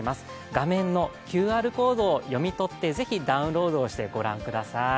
画面のＱＲコードを読み取ってぜひダウンロードをしてご覧ください。